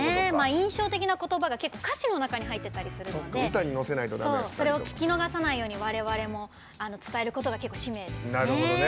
印象的な言葉が結構、歌詞の中に入ってたりするのでそれを聴き逃さないように我々も伝えることが使命ですね。